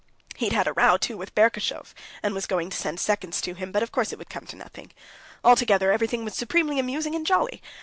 He'd had a row, too, with Berkoshov, and was going to send seconds to him, but of course it would come to nothing. Altogether everything was supremely amusing and jolly.